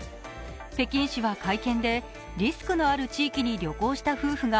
北京市は会見で、リスクのある地域に旅行した夫婦が